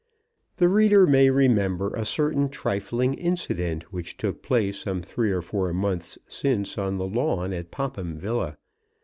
The reader may remember a certain trifling incident which took place some three or four months since on the lawn at Popham Villa.